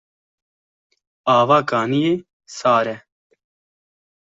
Ava kaniyê sar e.